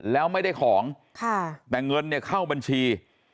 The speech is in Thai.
แล้วไม่ได้ของแต่เงินเนี่ยเข้าบัญชี